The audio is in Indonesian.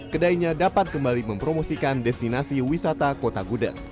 kedainya dapat kembali mempromosikan destinasi wisata kota gudeg